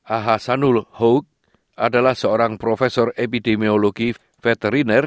ahasanul huk adalah seorang profesor epidemiologi veteriner